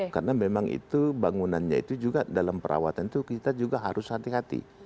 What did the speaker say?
karena memang itu bangunannya itu juga dalam perawatan itu kita juga harus hati hati